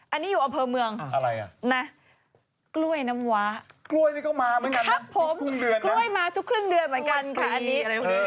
อันนี้อยู่อเภอเมืองนะกล้วยน้ำว้าครับผมกล้วยมาทุกครึ่งเดือนเหมือนกันค่ะอันนี้